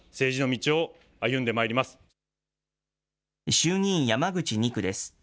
衆議院山口２区です。